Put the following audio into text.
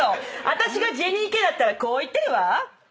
私がジェニーケイだったらこう言ってるわ。